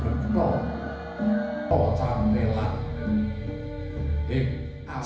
anak anak sukerta ini dikawal dan diapit oleh pengapit yang dalam tradisi jawa ini disebut prajurit